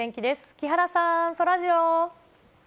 木原さん、そらジロー。